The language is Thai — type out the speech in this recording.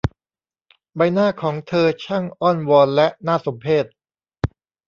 ใบหน้าของเธอช่างอ้อนวอนและน่าสมเพช